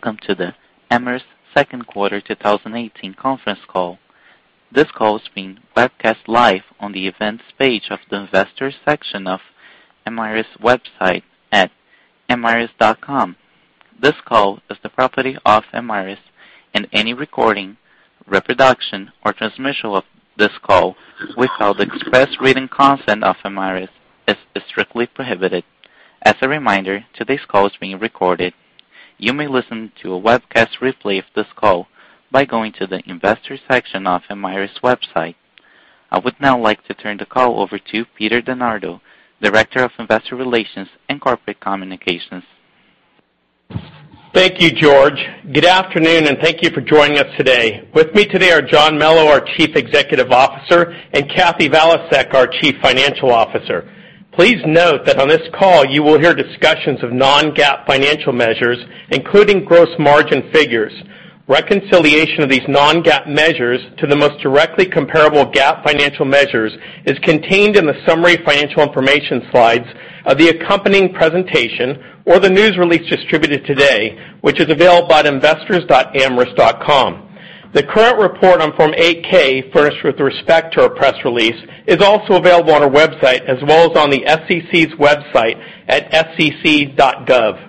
Welcome to the Amyris Second Quarter 2018 conference call. This call is being broadcast live on the events page of the investors' section of Amyris' website at amyris.com. This call is the property of Amyris, and any recording, reproduction, or transmission of this call without the express written consent of Amyris is strictly prohibited. As a reminder, today's call is being recorded. You may listen to a webcast replay of this call by going to the investors' section of Amyris' website. I would now like to turn the call over to Peter DeNardo, Director of Investor Relations and Corporate Communications. Thank you, George. Good afternoon, and thank you for joining us today. With me today are John Melo, our Chief Executive Officer, and Kathy Valiasek, our Chief Financial Officer. Please note that on this call you will hear discussions of non-GAAP financial measures, including gross margin figures. Reconciliation of these non-GAAP measures to the most directly comparable GAAP financial measures is contained in the summary financial information slides of the accompanying presentation or the news release distributed today, which is available at investors.amyris.com. The current report on Form 8-K, furnished with respect to our press release, is also available on our website as well as on the SEC's website at sec.gov.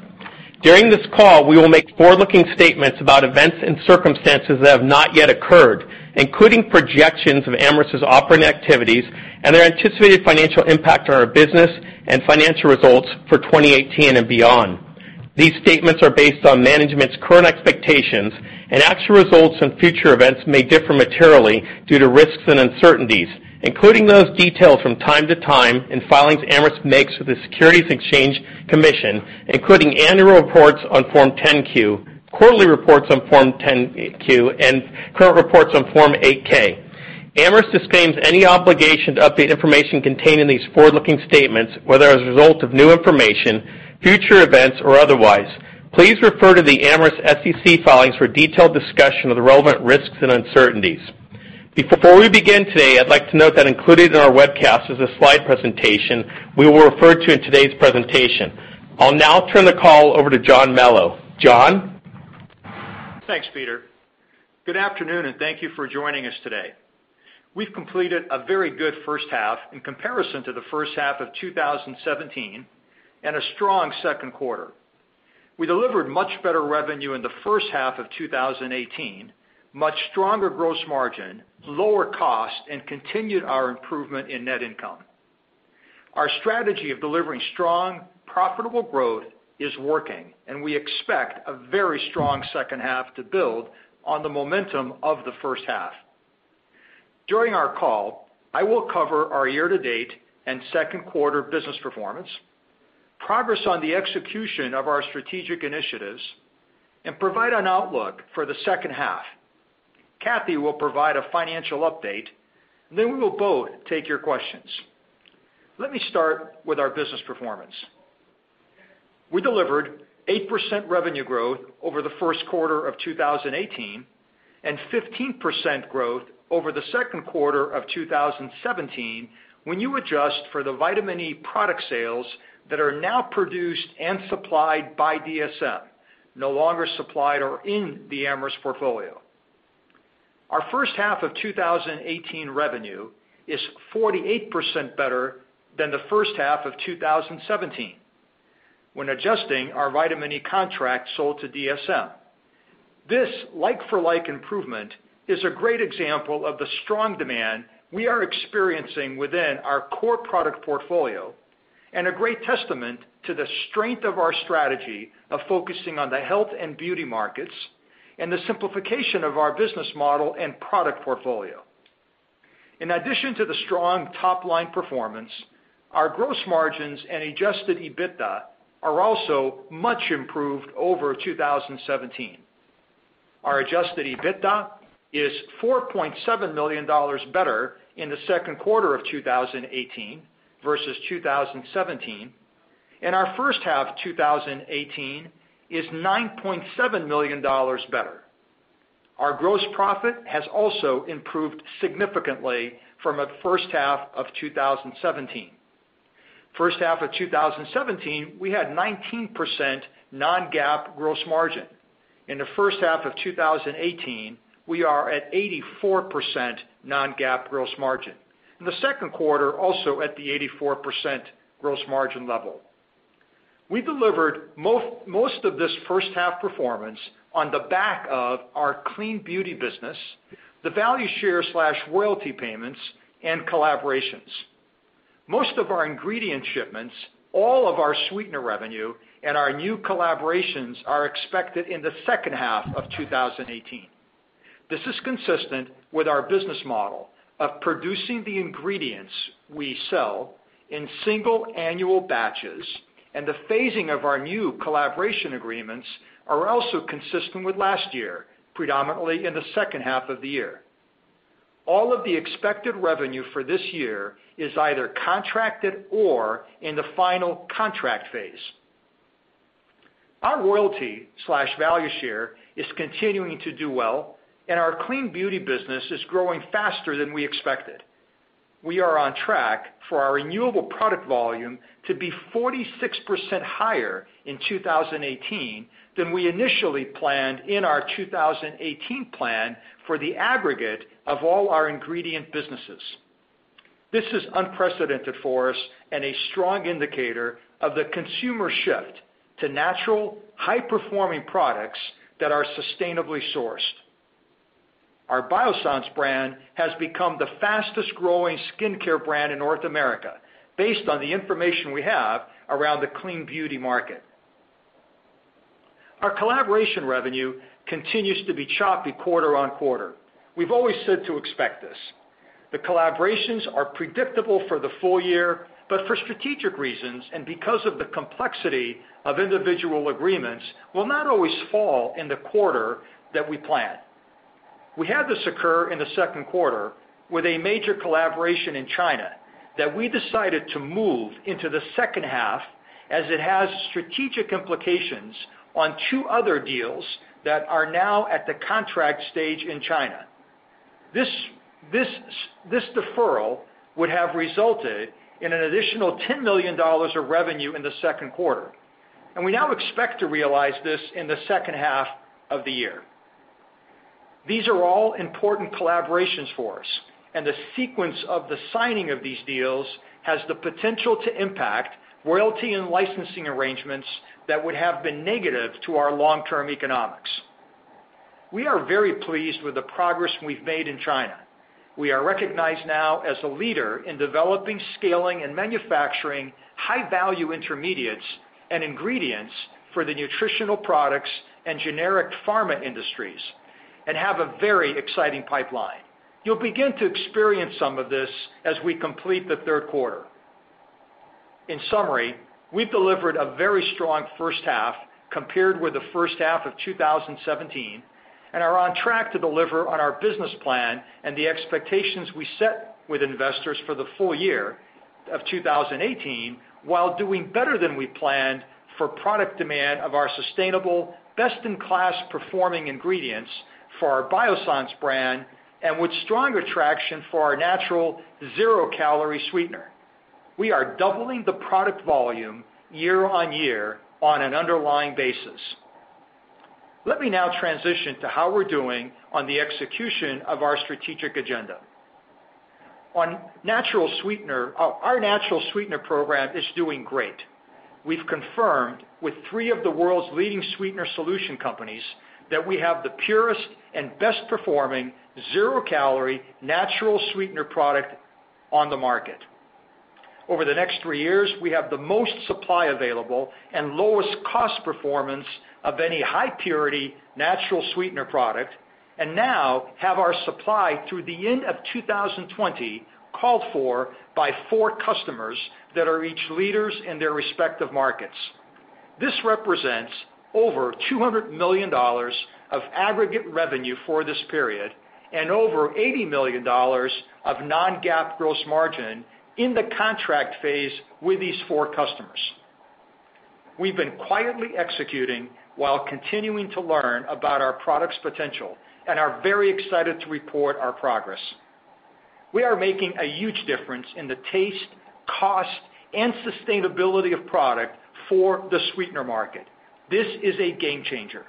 During this call, we will make forward-looking statements about events and circumstances that have not yet occurred, including projections of Amyris' operating activities and their anticipated financial impact on our business and financial results for 2018 and beyond. These statements are based on management's current expectations, and actual results and future events may differ materially due to risks and uncertainties, including those detailed from time to time in filings Amyris makes with the Securities and Exchange Commission, including annual reports on Form 10-K, quarterly reports on Form 10-Q, and current reports on Form 8-K. Amyris disclaims any obligation to update information contained in these forward-looking statements, whether as a result of new information, future events, or otherwise. Please refer to the Amyris SEC filings for detailed discussion of the relevant risks and uncertainties. Before we begin today, I'd like to note that included in our webcast is a slide presentation we will refer to in today's presentation. I'll now turn the call over to John Melo. John? Thanks, Peter. Good afternoon, and thank you for joining us today. We've completed a very good first half in comparison to the first half of 2017 and a strong second quarter. We delivered much better revenue in the first half of 2018, much stronger gross margin, lower cost, and continued our improvement in net income. Our strategy of delivering strong, profitable growth is working, and we expect a very strong second half to build on the momentum of the first half. During our call, I will cover our year-to-date and second quarter business performance, progress on the execution of our strategic initiatives, and provide an outlook for the second half. Kathy will provide a financial update, and then we will both take your questions. Let me start with our business performance. We delivered 8% revenue growth over the first quarter of 2018 and 15% growth over the second quarter of 2017 when you adjust for the vitamin E product sales that are now produced and supplied by DSM, no longer supplied or in the Amyris portfolio. Our first half of 2018 revenue is 48% better than the first half of 2017 when adjusting our vitamin E contract sold to DSM. This like-for-like improvement is a great example of the strong demand we are experiencing within our core product portfolio and a great testament to the strength of our strategy of focusing on the health and beauty markets and the simplification of our business model and product portfolio. In addition to the strong top-line performance, our gross margins and Adjusted EBITDA are also much improved over 2017. Our Adjusted EBITDA is $4.7 million better in the second quarter of 2018 versus 2017, and our first half of 2018 is $9.7 million better. Our gross profit has also improved significantly from the first half of 2017. First half of 2017, we had 19% non-GAAP gross margin. In the first half of 2018, we are at 84% non-GAAP gross margin. The second quarter also at the 84% gross margin level. We delivered most of this first half performance on the back of our clean beauty business, the value share/royalty payments, and collaborations. Most of our ingredient shipments, all of our sweetener revenue, and our new collaborations are expected in the second half of 2018. This is consistent with our business model of producing the ingredients we sell in single annual batches, and the phasing of our new collaboration agreements are also consistent with last year, predominantly in the second half of the year. All of the expected revenue for this year is either contracted or in the final contract phase. Our royalty/value share is continuing to do well, and our clean beauty business is growing faster than we expected. We are on track for our renewable product volume to be 46% higher in 2018 than we initially planned in our 2018 plan for the aggregate of all our ingredient businesses. This is unprecedented for us and a strong indicator of the consumer shift to natural, high-performing products that are sustainably sourced. Our Biossance brand has become the fastest-growing skincare brand in North America, based on the information we have around the clean beauty market. Our collaboration revenue continues to be choppy quarter on quarter. We've always said to expect this. The collaborations are predictable for the full year, but for strategic reasons and because of the complexity of individual agreements, will not always fall in the quarter that we planned. We had this occur in the second quarter with a major collaboration in China that we decided to move into the second half, as it has strategic implications on two other deals that are now at the contract stage in China. This deferral would have resulted in an additional $10 million of revenue in the second quarter, and we now expect to realize this in the second half of the year. These are all important collaborations for us, and the sequence of the signing of these deals has the potential to impact royalty and licensing arrangements that would have been negative to our long-term economics. We are very pleased with the progress we've made in China. We are recognized now as a leader in developing, scaling, and manufacturing high-value intermediates and ingredients for the nutritional products and generic pharma industries, and have a very exciting pipeline. You'll begin to experience some of this as we complete the third quarter. In summary, we've delivered a very strong first half compared with the first half of 2017 and are on track to deliver on our business plan and the expectations we set with investors for the full year of 2018, while doing better than we planned for product demand of our sustainable, best-in-class performing ingredients for our Biossance brand and with stronger traction for our natural zero-calorie sweetener. We are doubling the product volume year on year on an underlying basis. Let me now transition to how we're doing on the execution of our strategic agenda. Our natural sweetener program is doing great. We've confirmed with three of the world's leading sweetener solution companies that we have the purest and best-performing zero-calorie natural sweetener product on the market. Over the next three years, we have the most supply available and lowest cost performance of any high-purity natural sweetener product, and now have our supply through the end of 2020 called for by four customers that are each leaders in their respective markets. This represents over $200 million of aggregate revenue for this period and over $80 million of non-GAAP gross margin in the contract phase with these four customers. We've been quietly executing while continuing to learn about our product's potential, and are very excited to report our progress. We are making a huge difference in the taste, cost, and sustainability of product for the sweetener market. This is a game changer.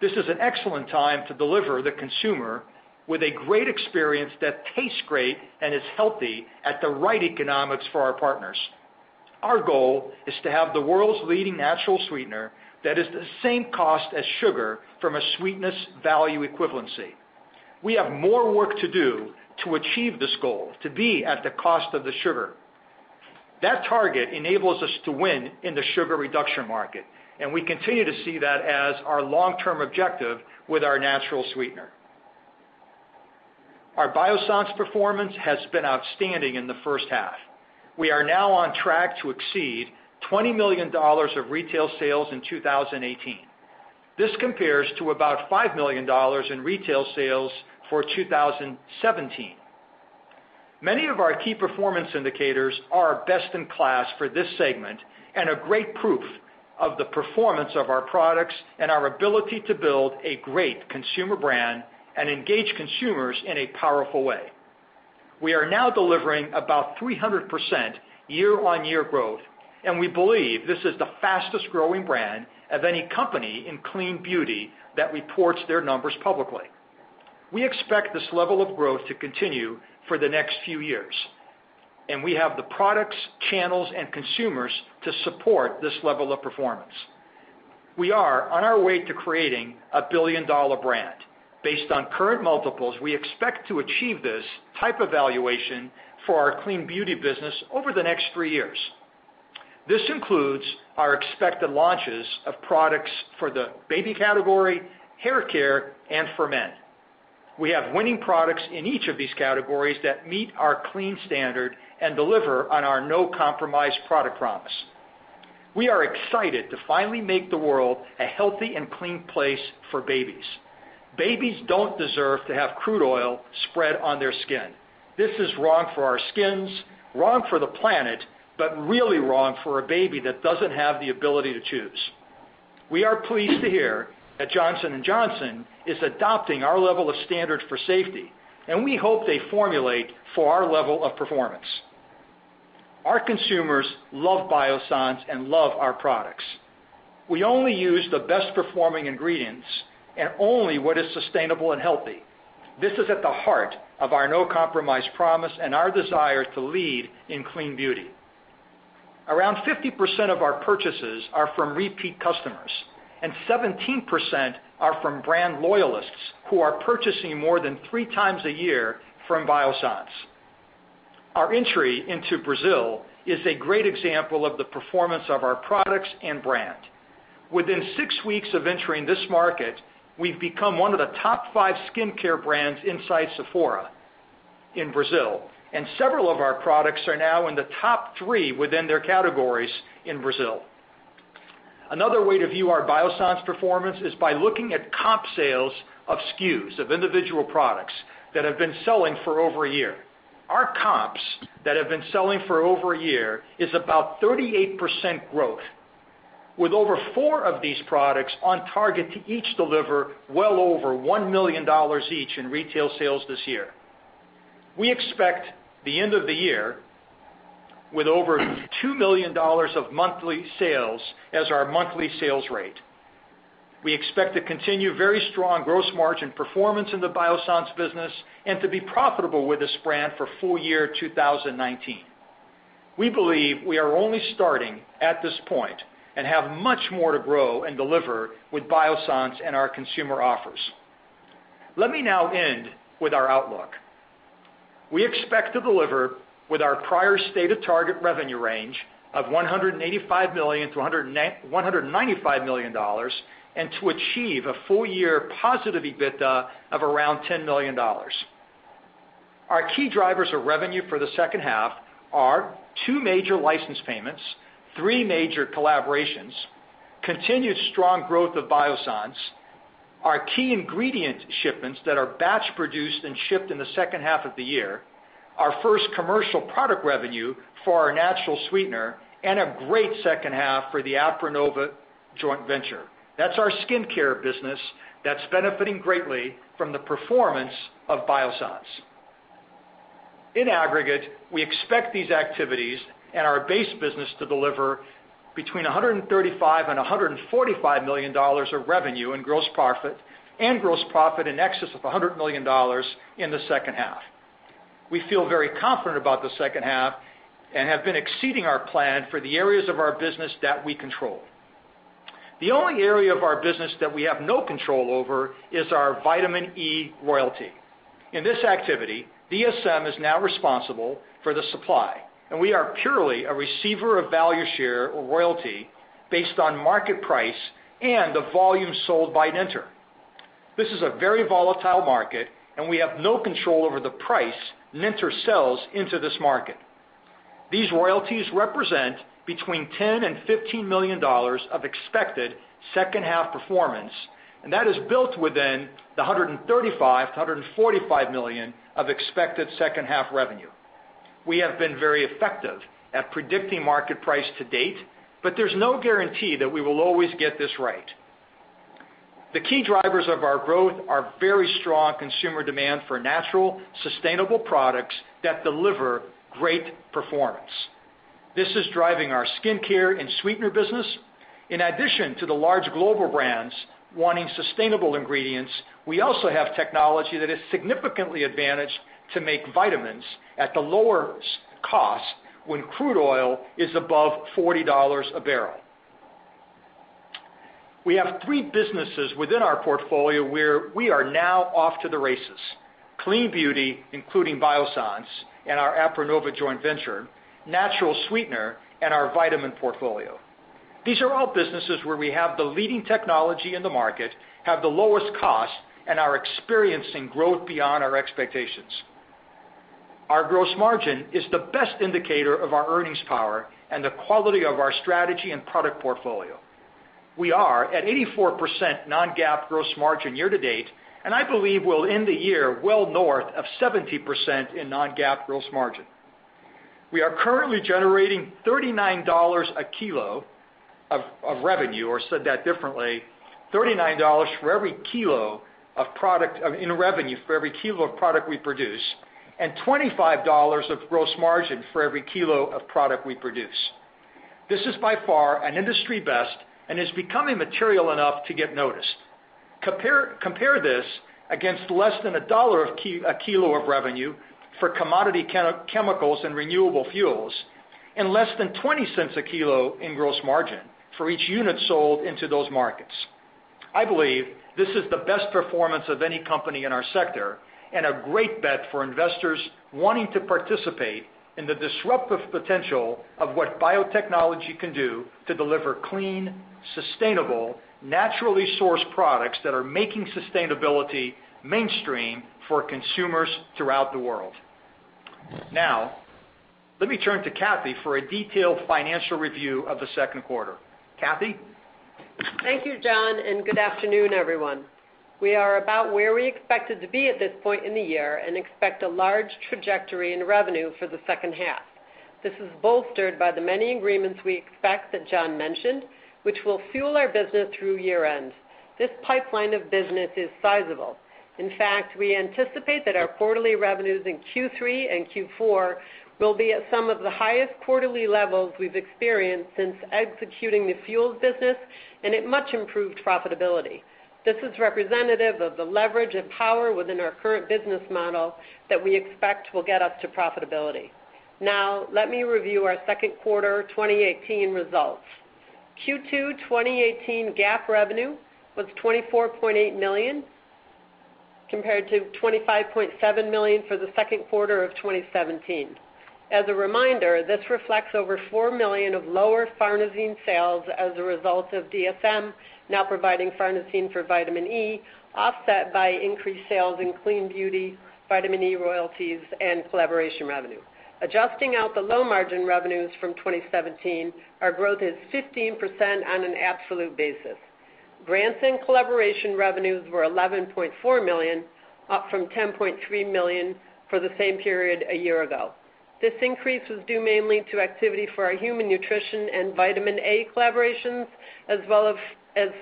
This is an excellent time to deliver the consumer with a great experience that tastes great and is healthy at the right economics for our partners. Our goal is to have the world's leading natural sweetener that is the same cost as sugar from a sweetness value equivalency. We have more work to do to achieve this goal, to be at the cost of the sugar. That target enables us to win in the sugar reduction market, and we continue to see that as our long-term objective with our natural sweetener. Our Biossance performance has been outstanding in the first half. We are now on track to exceed $20 million of retail sales in 2018. This compares to about $5 million in retail sales for 2017. Many of our key performance indicators are best-in-class for this segment and a great proof of the performance of our products and our ability to build a great consumer brand and engage consumers in a powerful way. We are now delivering about 300% year-on-year growth, and we believe this is the fastest-growing brand of any company in clean beauty that reports their numbers publicly. We expect this level of growth to continue for the next few years, and we have the products, channels, and consumers to support this level of performance. We are on our way to creating a billion-dollar brand. Based on current multiples, we expect to achieve this type of valuation for our clean beauty business over the next three years. This includes our expected launches of products for the baby category, haircare, and for men. We have winning products in each of these categories that meet our clean standard and deliver on our no-compromise product promise. We are excited to finally make the world a healthy and clean place for babies. Babies don't deserve to have crude oil spread on their skin. This is wrong for our skins, wrong for the planet, but really wrong for a baby that doesn't have the ability to choose. We are pleased to hear that Johnson & Johnson is adopting our level of standards for safety, and we hope they formulate for our level of performance. Our consumers love Biossance and love our products. We only use the best-performing ingredients and only what is sustainable and healthy. This is at the heart of our no-compromise promise and our desire to lead in clean beauty. Around 50% of our purchases are from repeat customers, and 17% are from brand loyalists who are purchasing more than three times a year from Biossance. Our entry into Brazil is a great example of the performance of our products and brand. Within six weeks of entering this market, we've become one of the top five skincare brands inside Sephora in Brazil, and several of our products are now in the top three within their categories in Brazil. Another way to view our Biossance performance is by looking at comp sales of SKUs, of individual products that have been selling for over a year. Our comps that have been selling for over a year is about 38% growth, with over four of these products on target to each deliver well over $1 million each in retail sales this year. We expect the end of the year with over $2 million of monthly sales as our monthly sales rate. We expect to continue very strong gross margin performance in the Biossance business and to be profitable with this brand for full year 2019. We believe we are only starting at this point and have much more to grow and deliver with Biossance and our consumer offers. Let me now end with our outlook. We expect to deliver with our prior stated target revenue range of $185 million-$195 million and to achieve a full-year positive EBITDA of around $10 million. Our key drivers of revenue for the second half are two major license payments, three major collaborations, continued strong growth of Biossance, our key ingredient shipments that are batch-produced and shipped in the second half of the year, our first commercial product revenue for our natural sweetener, and a great second half for the Aprinnova joint venture. That's our skincare business that's benefiting greatly from the performance of Biossance. In aggregate, we expect these activities and our base business to deliver between $135 and $145 million of revenue in gross profit and gross profit in excess of $100 million in the second half. We feel very confident about the second half and have been exceeding our plan for the areas of our business that we control. The only area of our business that we have no control over is our Vitamin E royalty. In this activity, DSM is now responsible for the supply, and we are purely a receiver of value share or royalty based on market price and the volume sold by Nenter. This is a very volatile market, and we have no control over the price Nenter sells into this market. These royalties represent between $10 and $15 million of expected second-half performance, and that is built within the $135 to $145 million of expected second-half revenue. We have been very effective at predicting market price to date, but there's no guarantee that we will always get this right. The key drivers of our growth are very strong consumer demand for natural, sustainable products that deliver great performance. This is driving our skincare and sweetener business. In addition to the large global brands wanting sustainable ingredients, we also have technology that is significantly advantaged to make vitamins at the lowest cost when crude oil is above $40 a barrel. We have three businesses within our portfolio where we are now off to the races: clean beauty, including Biossance and our Aprinnova joint venture, natural sweetener, and our vitamin portfolio. These are all businesses where we have the leading technology in the market, have the lowest cost, and are experiencing growth beyond our expectations. Our gross margin is the best indicator of our earnings power and the quality of our strategy and product portfolio. We are at 84% non-GAAP gross margin year to date, and I believe we'll end the year well north of 70% in non-GAAP gross margin. We are currently generating $39 a kilo of revenue, or said that differently, $39 for every kilo of product in revenue for every kilo of product we produce, and $25 of gross margin for every kilo of product we produce. This is by far an industry best and is becoming material enough to get noticed. Compare this against less than $1 a kilo of revenue for commodity chemicals and renewable fuels and less than $0.20 a kilo in gross margin for each unit sold into those markets. I believe this is the best performance of any company in our sector and a great bet for investors wanting to participate in the disruptive potential of what biotechnology can do to deliver clean, sustainable, naturally sourced products that are making sustainability mainstream for consumers throughout the world. Now, let me turn to Kathy for a detailed financial review of the second quarter. Kathy. Thank you, John, and good afternoon, everyone. We are about where we expected to be at this point in the year and expect a large trajectory in revenue for the second half. This is bolstered by the many agreements we expect that John mentioned, which will fuel our business through year-end. This pipeline of business is sizable. In fact, we anticipate that our quarterly revenues in Q3 and Q4 will be at some of the highest quarterly levels we've experienced since executing the fuels business and at much improved profitability. This is representative of the leverage and power within our current business model that we expect will get us to profitability. Now, let me review our second quarter 2018 results. Q2 2018 GAAP revenue was $24.8 million compared to $25.7 million for the second quarter of 2017. As a reminder, this reflects over $4 million of lower farnesene sales as a result of DSM now providing farnesene for vitamin E, offset by increased sales in clean beauty, vitamin E royalties, and collaboration revenue. Adjusting out the low margin revenues from 2017, our growth is 15% on an absolute basis. Grants and collaboration revenues were $11.4 million, up from $10.3 million for the same period a year ago. This increase was due mainly to activity for our human nutrition and vitamin A collaborations, as well as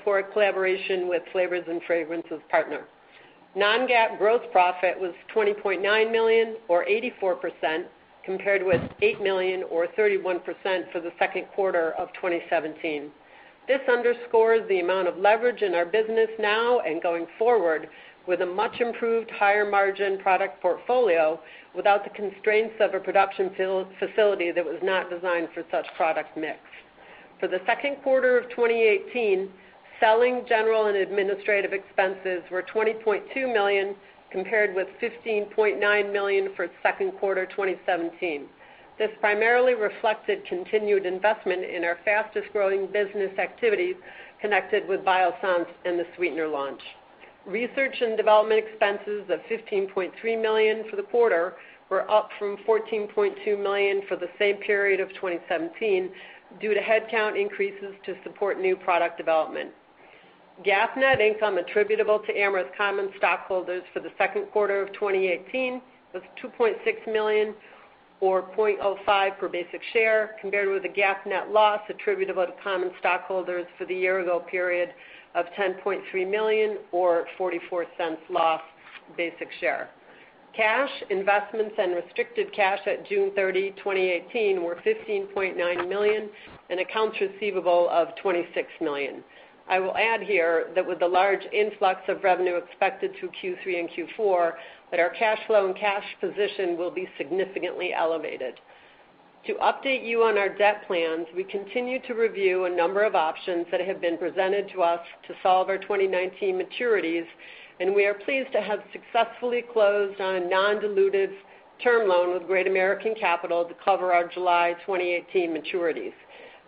for collaboration with flavors and fragrances partner. Non-GAAP gross profit was $20.9 million, or 84%, compared with $8 million, or 31%, for the second quarter of 2017. This underscores the amount of leverage in our business now and going forward with a much improved, higher margin product portfolio without the constraints of a production facility that was not designed for such product mix. For the second quarter of 2018, selling, general, and administrative expenses were $20.2 million compared with $15.9 million for second quarter 2017. This primarily reflected continued investment in our fastest-growing business activities connected with Biossance and the sweetener launch. Research and development expenses of $15.3 million for the quarter were up from $14.2 million for the same period of 2017 due to headcount increases to support new product development. GAAP net income attributable to Amyris common stockholders for the second quarter of 2018 was $2.6 million, or $0.05 per basic share, compared with a GAAP net loss attributable to common stockholders for the year-ago period of $10.3 million, or $0.44 loss basic share. Cash, investments, and restricted cash at June 30, 2018, were $15.9 million and accounts receivable of $26 million. I will add here that with the large influx of revenue expected to Q3 and Q4, our cash flow and cash position will be significantly elevated. To update you on our debt plans, we continue to review a number of options that have been presented to us to solve our 2019 maturities, and we are pleased to have successfully closed on a non-dilutive term loan with Great American Capital to cover our July 2018 maturities.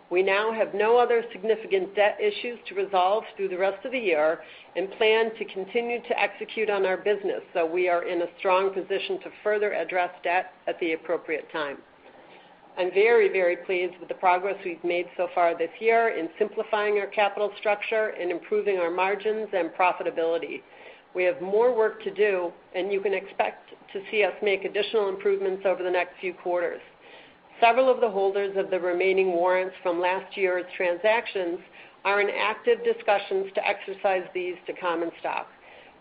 We now have no other significant debt issues to resolve through the rest of the year and plan to continue to execute on our business, so we are in a strong position to further address debt at the appropriate time. I'm very, very pleased with the progress we've made so far this year in simplifying our capital structure and improving our margins and profitability. We have more work to do, and you can expect to see us make additional improvements over the next few quarters. Several of the holders of the remaining warrants from last year's transactions are in active discussions to exercise these to common stock.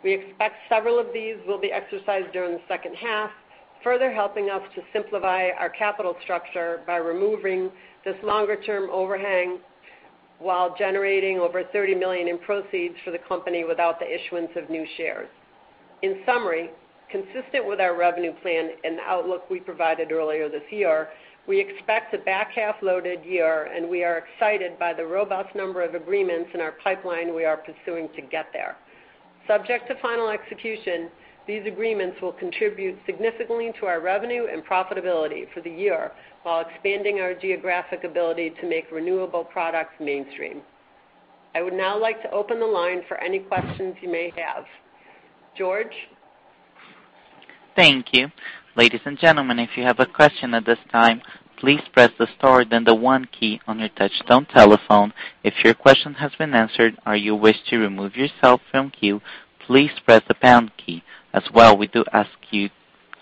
We expect several of these will be exercised during the second half, further helping us to simplify our capital structure by removing this longer-term overhang while generating over $30 million in proceeds for the company without the issuance of new shares. In summary, consistent with our revenue plan and outlook we provided earlier this year, we expect a back-half-loaded year, and we are excited by the robust number of agreements in our pipeline we are pursuing to get there. Subject to final execution, these agreements will contribute significantly to our revenue and profitability for the year while expanding our geographic ability to make renewable products mainstream. I would now like to open the line for any questions you may have. George. Thank you. Ladies and gentlemen, if you have a question at this time, please press the star then the 1 key on your touch-tone telephone. If your question has been answered or you wish to remove yourself from queue, please press the pound key. As well, we do ask you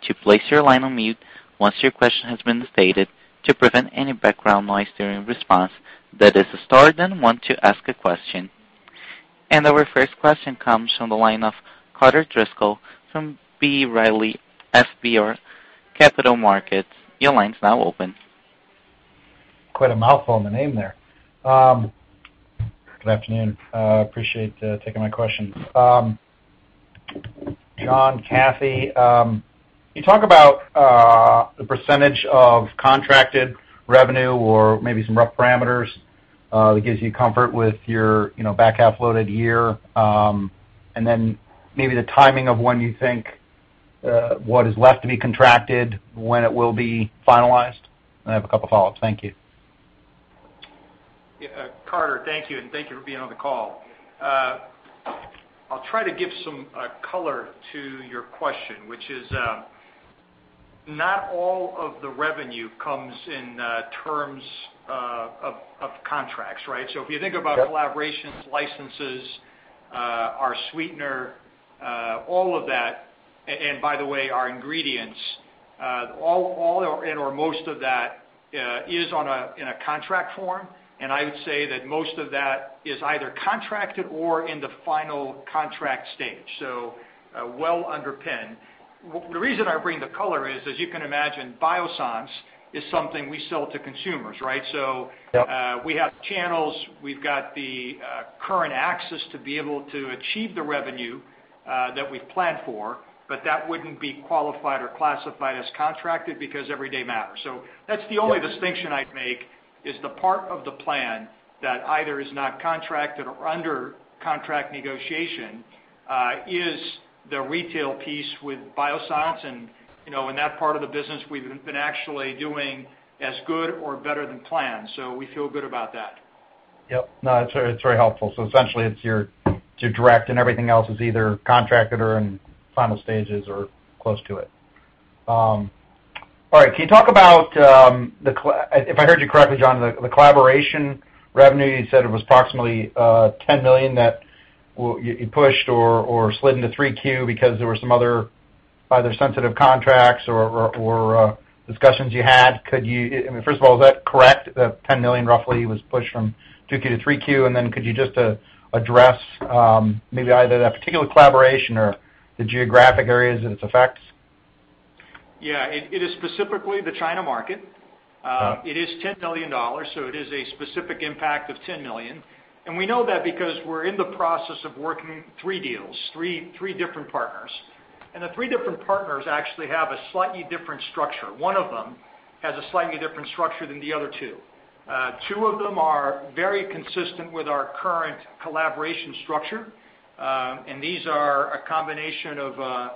to place your line on mute once your question has been stated to prevent any background noise during response. That is a star then 1 to ask a question. And our first question comes from the line of Carter Driscoll from B. Riley FBR. Your line's now open. Quite a mouthful in the name there. Good afternoon. Appreciate taking my questions. John, Kathy, you talk about the percentage of contracted revenue or maybe some rough parameters that gives you comfort with your back-half-loaded year, and then maybe the timing of when you think what is left to be contracted, when it will be finalized. I have a couple of follow-ups. Thank you. Carter, thank you, and thank you for being on the call. I'll try to give some color to your question, which is not all of the revenue comes in terms of contracts, right? So if you think about collaborations, licenses, our sweetener, all of that, and by the way, our ingredients, all or most of that is in a contract form, and I would say that most of that is either contracted or in the final contract stage, so well underpinned. The reason I bring the color is, as you can imagine, Biossance is something we sell to consumers, right? So we have channels, we've got the current access to be able to achieve the revenue that we've planned for, but that wouldn't be qualified or classified as contracted because every day matters. So that's the only distinction I'd make is the part of the plan that either is not contracted or under contract negotiation is the retail piece with Biossance, and in that part of the business, we've been actually doing as good or better than planned, so we feel good about that. Yep. No, it's very helpful. So essentially, it's your direct, and everything else is either contracted or in final stages or close to it. All right. Can you talk about, if I heard you correctly, John, the collaboration revenue? You said it was approximately $10 million that you pushed or slid into 3Q because there were some other either sensitive contracts or discussions you had. Could you, first of all, is that correct that $10 million roughly was pushed from 2Q to 3Q? And then could you just address maybe either that particular collaboration or the geographic areas that it affects? Yeah. It is specifically the China market. It is $10 million, so it is a specific impact of $10 million, and we know that because we're in the process of working three deals, three different partners, and the three different partners actually have a slightly different structure. One of them has a slightly different structure than the other two. Two of them are very consistent with our current collaboration structure, and these are a combination of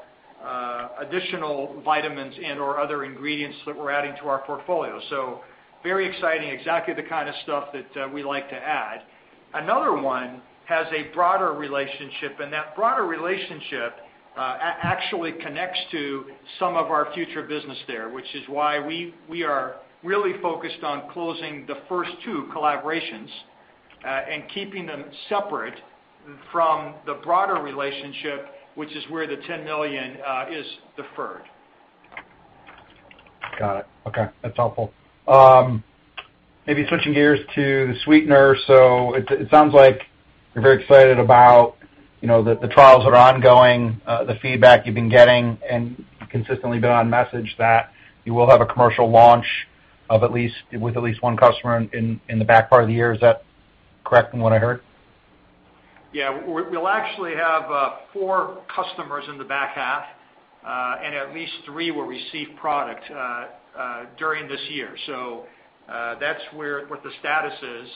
additional vitamins and/or other ingredients that we're adding to our portfolio, so very exciting, exactly the kind of stuff that we like to add. Another one has a broader relationship, and that broader relationship actually connects to some of our future business there, which is why we are really focused on closing the first two collaborations and keeping them separate from the broader relationship, which is where the $10 million is deferred. Got it. Okay. That's helpful. Maybe switching gears to the sweetener. So it sounds like you're very excited about the trials that are ongoing, the feedback you've been getting, and consistently been on message that you will have a commercial launch with at least one customer in the back part of the year. Is that correct from what I heard? Yeah. We'll actually have four customers in the back half, and at least three will receive product during this year. So that's what the status is.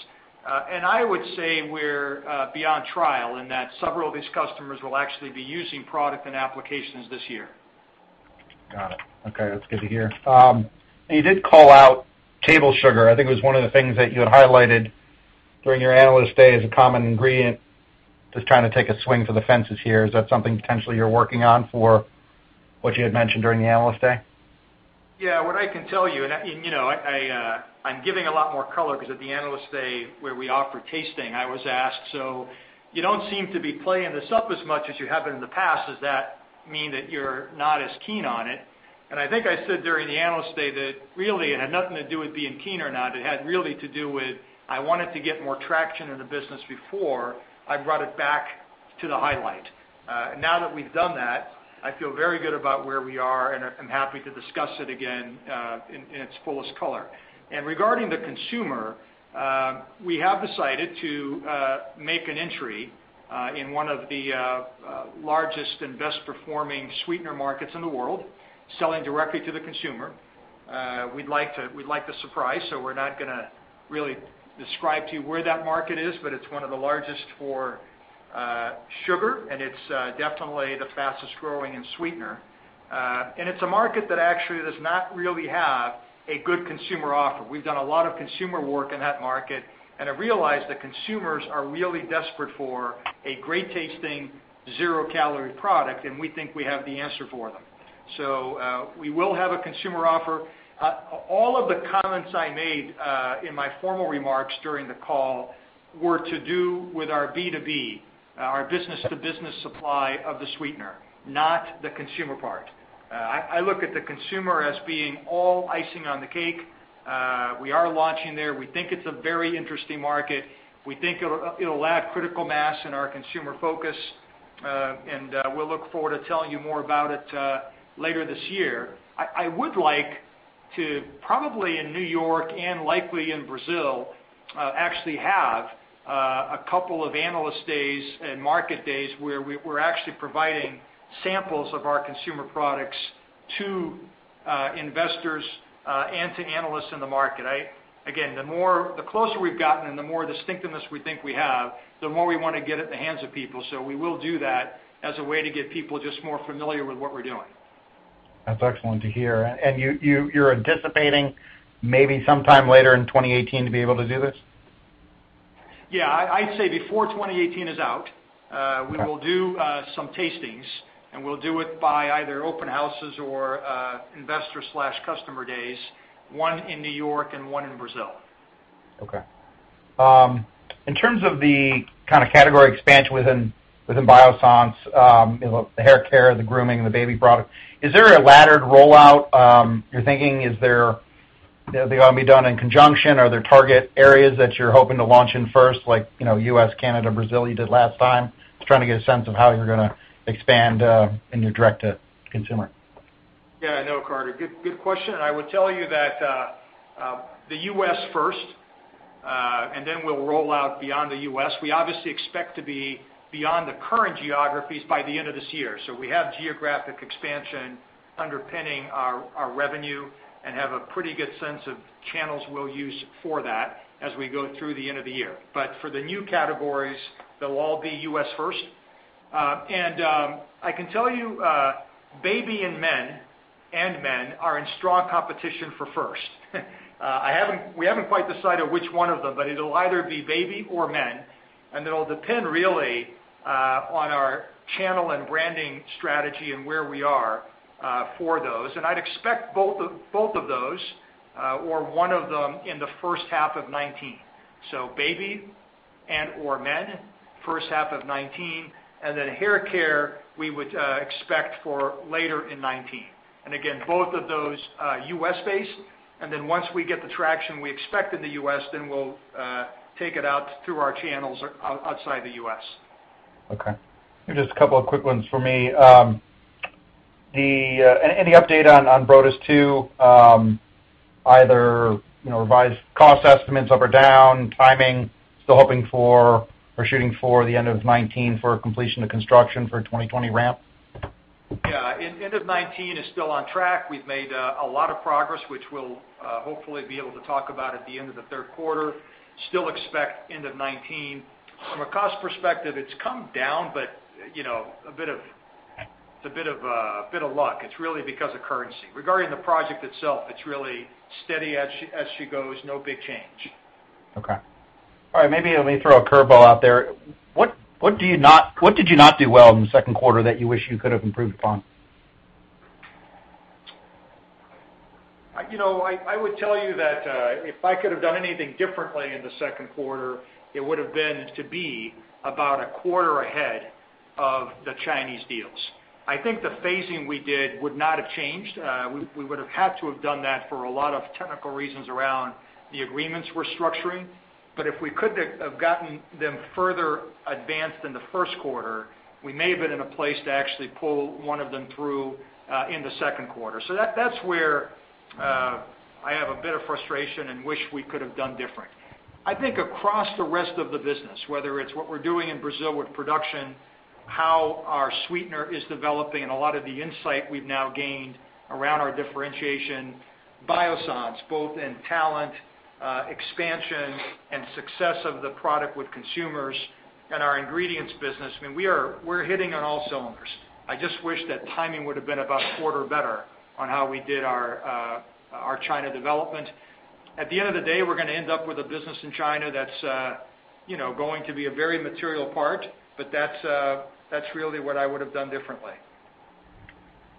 And I would say we're beyond trial in that several of these customers will actually be using product and applications this year. Got it. Okay. That's good to hear. And you did call out table sugar. I think it was one of the things that you had highlighted during your analyst day as a common ingredient. Just trying to take a swing for the fences here. Is that something potentially you're working on for what you had mentioned during the analyst day? Yeah. What I can tell you, and I'm giving a lot more color because at the analyst day where we offer tasting, I was asked, "So you don't seem to be playing this up as much as you have been in the past. Does that mean that you're not as keen on it?" And I think I said during the analyst day that really it had nothing to do with being keen or not. It had really to do with, "I wanted to get more traction in the business before I brought it back to the highlight." Now that we've done that, I feel very good about where we are and am happy to discuss it again in its fullest color. And regarding the consumer, we have decided to make an entry in one of the largest and best-performing sweetener markets in the world, selling directly to the consumer. We'd like the surprise, so we're not going to really describe to you where that market is, but it's one of the largest for sugar, and it's definitely the fastest-growing in sweetener. And it's a market that actually does not really have a good consumer offer. We've done a lot of consumer work in that market, and I've realized that consumers are really desperate for a great-tasting, zero-calorie product, and we think we have the answer for them. So we will have a consumer offer. All of the comments I made in my formal remarks during the call were to do with our B2B, our business-to-business supply of the sweetener, not the consumer part. I look at the consumer as being all icing on the cake. We are launching there. We think it's a very interesting market. We think it'll add critical mass in our consumer focus, and we'll look forward to telling you more about it later this year. I would like to probably in New York and likely in Brazil actually have a couple of analyst days and market days where we're actually providing samples of our consumer products to investors and to analysts in the market. Again, the closer we've gotten and the more distinctiveness we think we have, the more we want to get it in the hands of people. So we will do that as a way to get people just more familiar with what we're doing. That's excellent to hear. And you're anticipating maybe sometime later in 2018 to be able to do this? Yeah. I'd say before 2018 is out, we will do some tastings, and we'll do it by either open houses or investor/customer days, one in New York and one in Brazil. Okay. In terms of the kind of category expansion within Biossance, the haircare, the grooming, and the baby product, is there a laddered rollout? You're thinking, "Is there they ought to be done in conjunction?" Are there target areas that you're hoping to launch in first, like U.S, Canada, Brazil you did last time? Just trying to get a sense of how you're going to expand in your direct-to-consumer. Yeah. I know, Carter. Good question. I would tell you that the U.S. first, and then we'll roll out beyond the U.S. We obviously expect to be beyond the current geographies by the end of this year. So we have geographic expansion underpinning our revenue and have a pretty good sense of channels we'll use for that as we go through the end of the year. But for the new categories, they'll all be U.S. first. And I can tell you baby and men are in strong competition for first. We haven't quite decided which one of them, but it'll either be baby or men, and it'll depend really on our channel and branding strategy and where we are for those. And I'd expect both of those or one of them in the first half of 2019. So, baby and/or men, first half of 2019, and then haircare, we would expect for later in 2019. And again, both of those U.S.-based, and then once we get the traction we expect in the U.S, then we'll take it out through our channels outside the U.S. Okay. Just a couple of quick ones for me. Any update on Brotas 2, either revised cost estimates up or down, timing, still hoping for or shooting for the end of 2019 for completion of construction for 2020 ramp? Yeah. End of 2019 is still on track. We've made a lot of progress, which we'll hopefully be able to talk about at the end of the third quarter. Still expect end of 2019. From a cost perspective, it's come down, but a bit of it's a bit of luck. It's really because of currency. Regarding the project itself, it's really steady as she goes, no big change. Okay. All right. Maybe let me throw a curveball out there. What did you not do well in the second quarter that you wish you could have improved upon? I would tell you that if I could have done anything differently in the second quarter, it would have been to be about a quarter ahead of the Chinese deals. I think the phasing we did would not have changed. We would have had to have done that for a lot of technical reasons around the agreements we're structuring. But if we could have gotten them further advanced in the first quarter, we may have been in a place to actually pull one of them through in the second quarter. So that's where I have a bit of frustration and wish we could have done different. I think across the rest of the business, whether it's what we're doing in Brazil with production, how our sweetener is developing, and a lot of the insight we've now gained around our differentiation, Biossance, both in talent, expansion, and success of the product with consumers, and our ingredients business, I mean, we're hitting on all cylinders. I just wish that timing would have been about a quarter better on how we did our China development. At the end of the day, we're going to end up with a business in China that's going to be a very material part, but that's really what I would have done differently.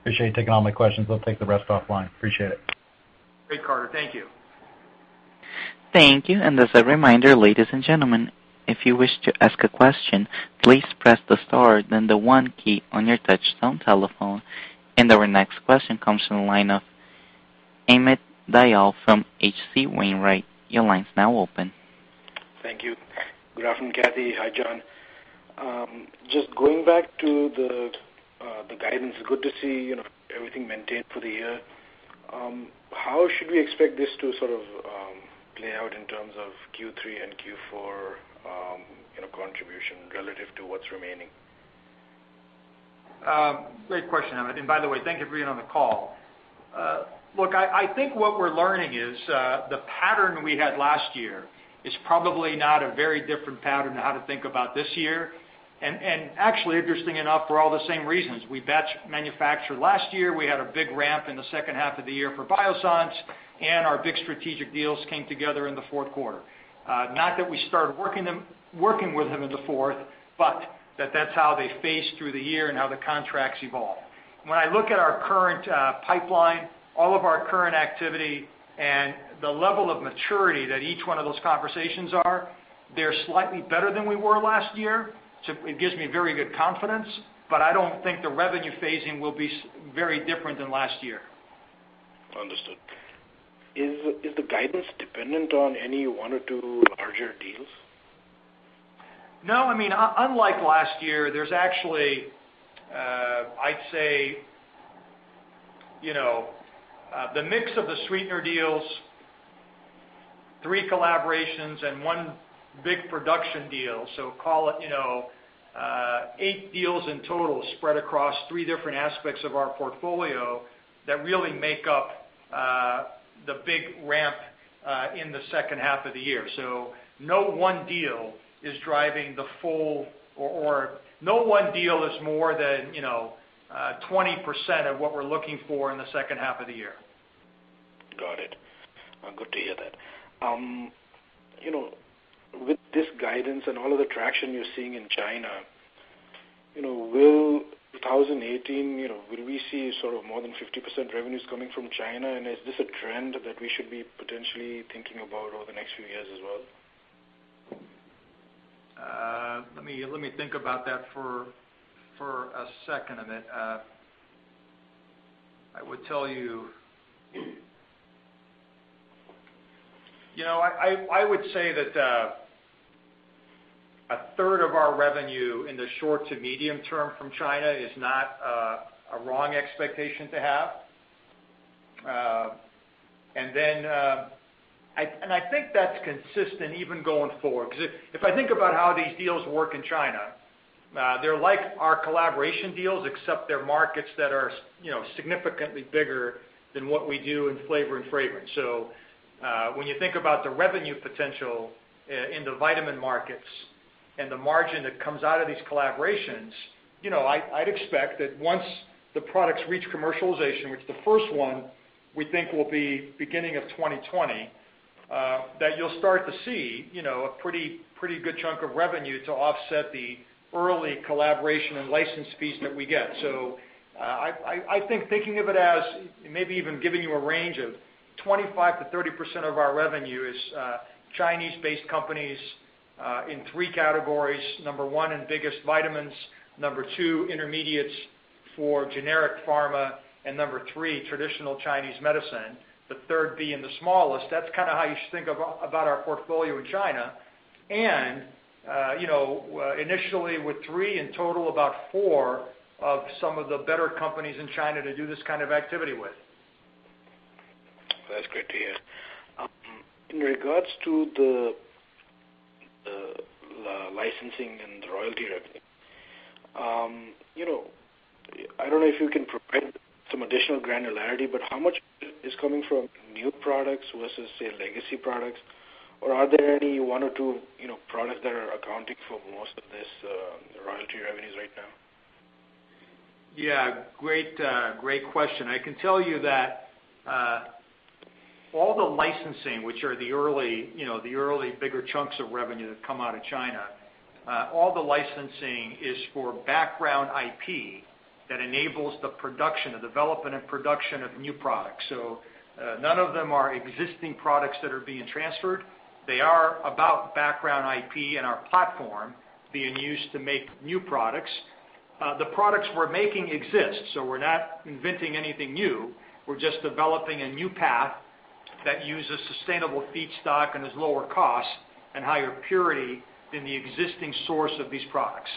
Appreciate you taking all my questions. I'll take the rest offline. Appreciate it. Great, Carter. Thank you. Thank you. And as a reminder, ladies and gentlemen, if you wish to ask a question, please press the star, then the one key on your touch-tone telephone. And our next question comes from the line of Amit Dayal from H.C. Wainwright. Your line's now open. Thank you. Good afternoon, Kathy. Hi, John. Just going back to the guidance, it's good to see everything maintained for the year. How should we expect this to sort of play out in terms of Q3 and Q4 contribution relative to what's remaining? Great question, Amit. And by the way, thank you for being on the call. Look, I think what we're learning is the pattern we had last year is probably not a very different pattern to how to think about this year. And actually, interesting enough, for all the same reasons. We batch manufacture last year. We had a big ramp in the second half of the year for Biossance, and our big strategic deals came together in the fourth quarter. Not that we started working with them in the fourth, but that that's how they phase through the year and how the contracts evolve. When I look at our current pipeline, all of our current activity and the level of maturity that each one of those conversations are, they're slightly better than we were last year. It gives me very good confidence, but I don't think the revenue phasing will be very different than last year. Understood. Is the guidance dependent on any one or two larger deals? No. I mean, unlike last year, there's actually, I'd say, the mix of the sweetener deals, three collaborations, and one big production deal. So call it eight deals in total spread across three different aspects of our portfolio that really make up the big ramp in the second half of the year. So no one deal is driving the full or no one deal is more than 20% of what we're looking for in the second half of the year. Got it. Good to hear that. With this guidance and all of the traction you're seeing in China, in 2018, will we see sort of more than 50% revenues coming from China? And is this a trend that we should be potentially thinking about over the next few years as well? Let me think about that for a second, Amit. I would tell you I would say that a third of our revenue in the short to medium term from China is not a wrong expectation to have, and I think that's consistent even going forward. Because if I think about how these deals work in China, they're like our collaboration deals, except they're markets that are significantly bigger than what we do in flavor and fragrance, so when you think about the revenue potential in the vitamin markets and the margin that comes out of these collaborations, I'd expect that once the products reach commercialization, which the first one we think will be beginning of 2020, that you'll start to see a pretty good chunk of revenue to offset the early collaboration and license fees that we get. So, I think thinking of it as maybe even giving you a range of 25%-30% of our revenue is Chinese-based companies in three categories. Number one, in biggest vitamins. Number two, intermediates for generic pharma. And number three, traditional Chinese medicine. The third being the smallest. That's kind of how you should think about our portfolio in China. And initially with three and total about four of some of the better companies in China to do this kind of activity with. That's great to hear. In regards to the licensing and the royalty revenue, I don't know if you can provide some additional granularity, but how much is coming from new products versus, say, legacy products? Or are there any one or two products that are accounting for most of this royalty revenues right now? Yeah. Great question. I can tell you that all the licensing, which are the early bigger chunks of revenue that come out of China, all the licensing is for background IP that enables the development and production of new products. So none of them are existing products that are being transferred. They are about background IP and our platform being used to make new products. The products we're making exist. So we're not inventing anything new. We're just developing a new path that uses sustainable feedstock and is lower cost and higher purity than the existing source of these products.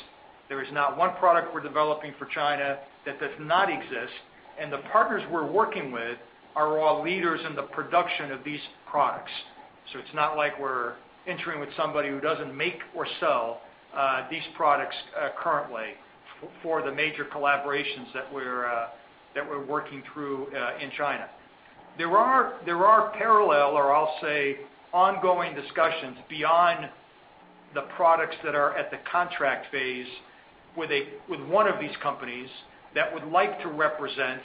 There is not one product we're developing for China that does not exist. And the partners we're working with are all leaders in the production of these products. So it's not like we're entering with somebody who doesn't make or sell these products currently for the major collaborations that we're working through in China. There are parallel or I'll say ongoing discussions beyond the products that are at the contract phase with one of these companies that would like to represent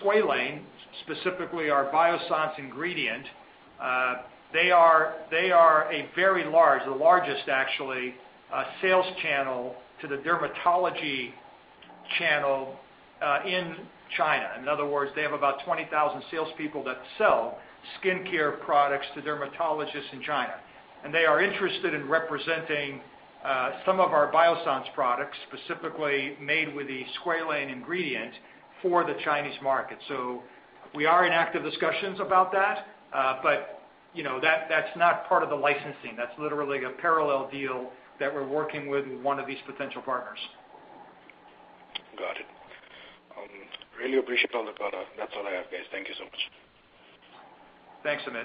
squalane, specifically our Biossance ingredient. They are a very large, the largest actually, sales channel to the dermatology channel in China. In other words, they have about 20,000 salespeople that sell skincare products to dermatologists in China. And they are interested in representing some of our Biossance products, specifically made with the squalane ingredient for the Chinese market. So we are in active discussions about that, but that's not part of the licensing. That's literally a parallel deal that we're working with one of these potential partners. Got it. Really appreciate all the product. That's all I have, guys. Thank you so much. Thanks, Amit.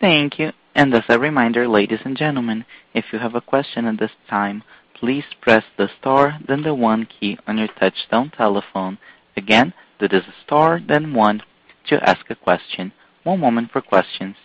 Thank you. And as a reminder, ladies and gentlemen, if you have a question at this time, please press the star, then the 1 key on your touch-tone telephone. Again, that is a star, then one to ask a question. One moment for questions.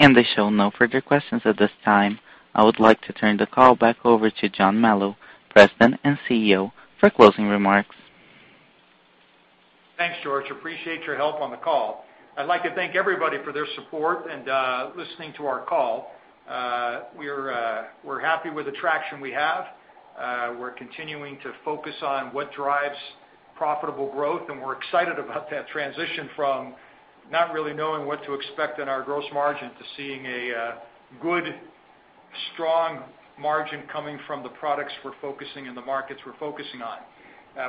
And there are no further questions at this time. I would like to turn the call back over to John Melo, President and CEO, for closing remarks. Thanks, George. Appreciate your help on the call. I'd like to thank everybody for their support and listening to our call. We're happy with the traction we have. We're continuing to focus on what drives profitable growth, and we're excited about that transition from not really knowing what to expect in our gross margin to seeing a good, strong margin coming from the products we're focusing and the markets we're focusing on.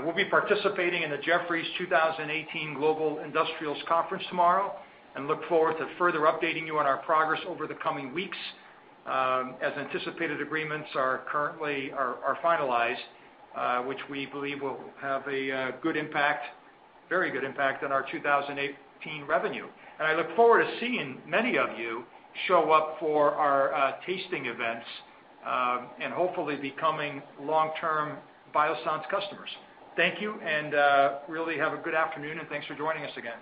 We'll be participating in the Jefferies 2018 Global Industrials Conference tomorrow and look forward to further updating you on our progress over the coming weeks as anticipated agreements are finalized, which we believe will have a very good impact on our 2018 revenue, and I look forward to seeing many of you show up for our tasting events and hopefully becoming long-term Biossance customers. Thank you and really have a good afternoon, and thanks for joining us again.